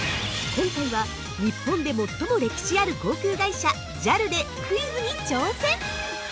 ◆今回は、日本で最も歴史ある航空会社、ＪＡＬでクイズに挑戦。